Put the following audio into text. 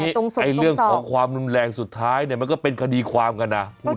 เอาอย่างนี้เรื่องของความแรงสุดท้ายมันก็เป็นคดีความกันนะ